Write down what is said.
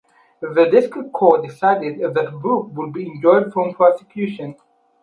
The district court decided that Brooke would be enjoined from prosecution.